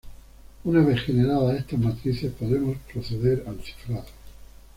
Una vez generadas estas matrices, podemos proceder al cifrado.